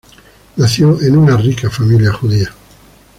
Nació en una rica familia judía.